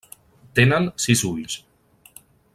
Tenen sis ulls.